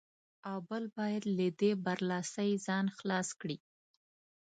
او بل باید له دې برلاسۍ ځان خلاص کړي.